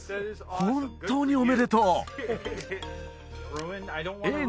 本当におめでとう！